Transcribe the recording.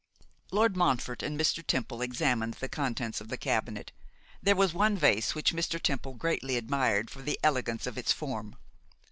Lord Montfort and Mr. Temple examined the contents of the cabinet. There was one vase which Mr. Temple greatly admired for the elegance of its form.